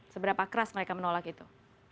seberapa keras mereka menolak itu